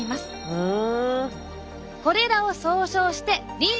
ふん。